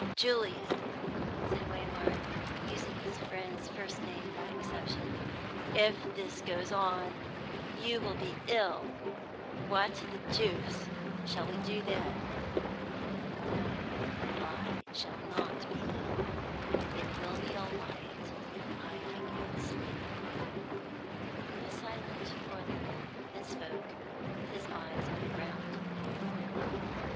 "Julian," said Waymark, using his friend's first name by exception, "if this goes on, you will be ill. What the deuce shall we do then?" "No, I shall not be ill. It will be all right if I can get sleep." He was silent for a little, then spoke, with his eyes on the ground.